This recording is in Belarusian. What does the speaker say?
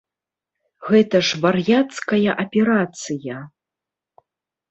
Гэта ж вар'яцкая аперацыя.